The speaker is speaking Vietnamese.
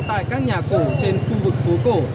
tại các nhà cổ trên khu vực phố cổ